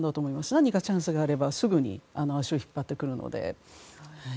何かチャンスがあれば足を引っ張ってくるので。